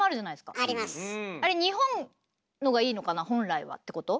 あれ日本のがいいのかな本来はってこと？